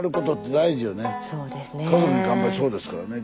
そうですね。